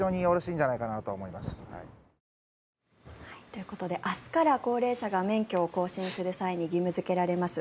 ということで明日から高齢者が免許を更新する際に義務付けられます